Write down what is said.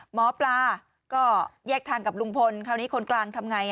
หมอปลาก็แยกทางกับลุงพลคราวนี้คนกลางทำไง